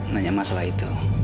nanya masalah itu